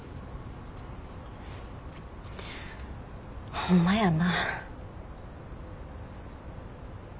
ホンマやな。